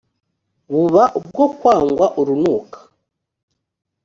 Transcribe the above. buba ubwo kwangwa urunuka